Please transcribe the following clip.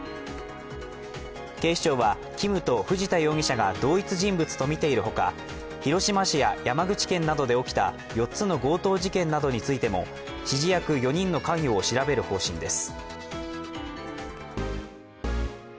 警視庁はＫｉｍと藤田容疑者が同一人物とみているほか広島市や山口県などで起きた４つの強盗事件などについても指示役４人の関与を調べる方針です。